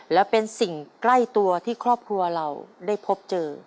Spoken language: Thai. และเป็นสิ่งใกล้ตัวที่ครอบครัวเราได้พบเจอ